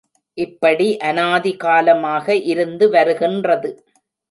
இப்படி அநாதி காலமாக இருந்து வருகின்றது.